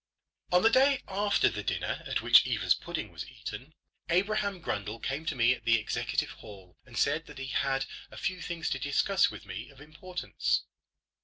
On the day after the dinner at which Eva's pudding was eaten, Abraham Grundle came to me at the Executive Hall, and said that he had a few things to discuss with me of importance.